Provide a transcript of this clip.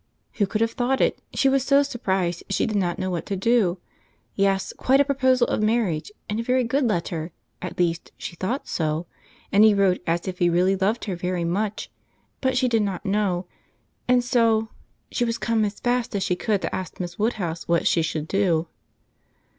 "Who could have thought it? She was so surprized she did not know what to do. Yes, quite a proposal of marriage; and a very good letter, at least she thought so. And he wrote as if he really loved her very much—but she did not know—and so, she was come as fast as she could to ask Miss Woodhouse what she should do.